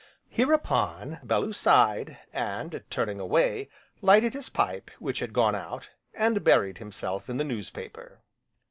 Hereupon, Bellew sighed, and turning away, lighted his pipe, which had gone out, and buried himself in the newspaper.